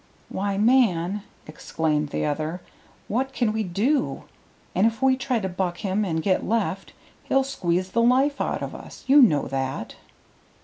"Why, man," exclaimed the other, "what can we do? And if we try to buck him and get left, he'll squeeze the life out of us. You know that."